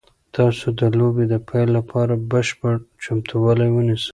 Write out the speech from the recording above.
تاسو د لوبې د پیل لپاره بشپړ چمتووالی ونیسئ.